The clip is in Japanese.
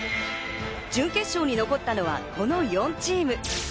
準決勝に残ったのはこの４チーム。